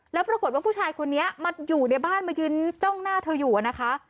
แล้วปรากฏว่าผู้ชายคนนี้มาอยู่ในบ้านมายืนจ้องหน้าเธออยู่นะคะ